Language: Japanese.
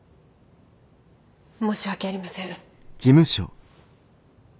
申し訳ありません。